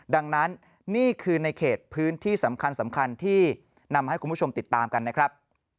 ดังนั้นนี่คือในเขตพื้นที่สำคัญที่นำให้คุณผู้ชมติดตามกันนะครับ